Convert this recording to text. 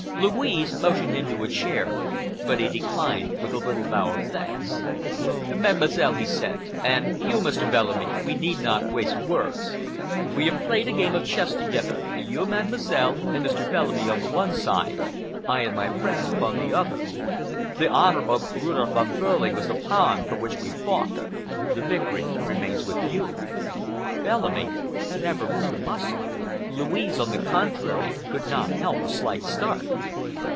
Louise motioned him to a chair, but he declined with a little bow of thanks. "Mademoiselle," he said, "and you, Mr. Bellamy, we need not waste words. We have played a game of chess together. You, Mademoiselle, and Mr. Bellamy on the one side—I and my friends upon the other. The honor of Rudolph Von Behrling was the pawn for which we fought. The victory remains with you." Bellamy never moved a muscle. Louise, on the contrary, could not help a slight start.